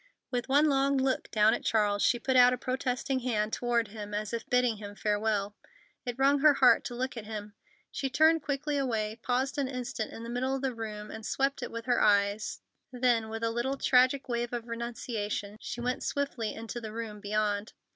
With one long look down at Charles, she put out a protesting hand toward him, as if bidding him farewell. It wrung her heart to look at him. She turned quickly away, paused an instant in the middle of the room, and swept it with her eyes, then, with a little tragic wave of renunciation, she went swiftly into the room beyond.